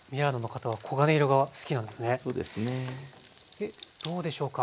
でどうでしょうか？